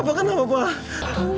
papa kenapa pak